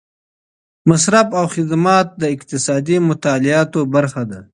مصرف او خدمات د اقتصادي مطالعاتو برخه ده.